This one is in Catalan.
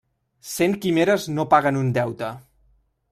Cent quimeres no paguen un deute.